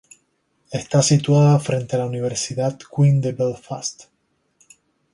Está situada frente a la Universidad Queen de Belfast.